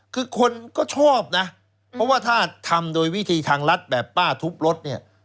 คือคนก็ชอบนะเพราะว่าถ้าทำโดยวิธีทางรัฐแบบป้าทุบรถเนี่ย